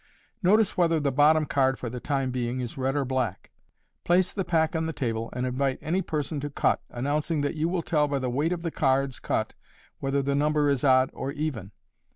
Notice whether the bottom card for the time being is red or black. Place the pack on the table, and invite any persor to cut, announcing that you will tell by the weight of the cards cut whether the number is odd or even.